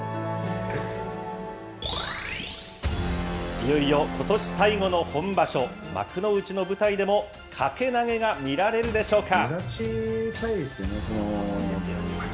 いよいよことし最後の本場所、幕内の舞台でも、掛け投げが見られるでしょうか。